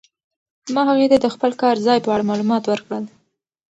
ما هغې ته د خپل کار ځای په اړه معلومات ورکړل.